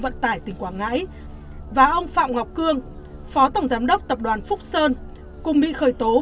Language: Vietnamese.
vận tải tỉnh quảng ngãi và ông phạm ngọc cương phó tổng giám đốc tập đoàn phúc sơn cùng bị khởi tố